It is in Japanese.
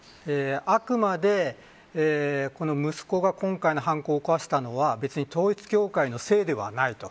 あくまで、息子が今回の犯行を起こしたのは統一教会のせいではないと。